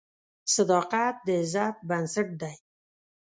صداقت د عزت بنسټ دی.